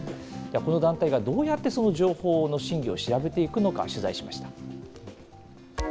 この団体がどうやって情報の真偽を調べていくのか取材しました。